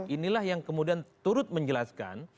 inilah yang kemudian turut menjelaskan